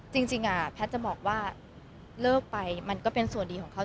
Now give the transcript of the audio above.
แพทย์จะบอกว่าเลิกไปมันก็เป็นส่วนดีของเขา